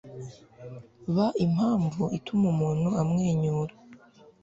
ba impamvu ituma umuntu amwenyura